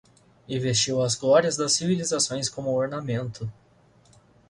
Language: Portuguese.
E vestiu as glórias das civilizações como ornamento